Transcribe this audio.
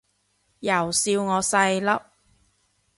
又笑我細粒